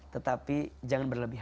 tetapi jangan berlebihan